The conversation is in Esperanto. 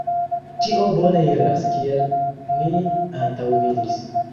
Ĉio bone iras, kiel ni antaŭvidis.